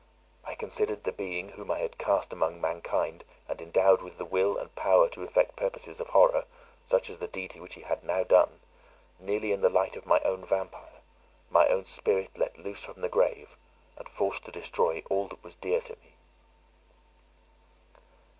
I considered the being whom I had cast among mankind, and endowed with the will and power to effect purposes of horror, such as the deed which he had now done, nearly in the light of my own vampire, my own spirit let loose from the grave, and forced to destroy all that was dear to me.